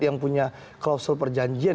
yang punya klausul perjanjian